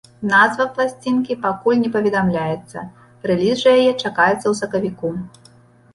Назва пласцінкі пакуль не паведамляецца, рэліз жа яе чакаецца ў сакавіку.